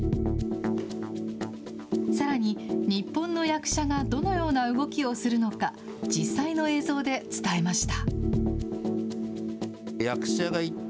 さらに日本の役者がどのような動きをするのか、実際の映像で伝えました。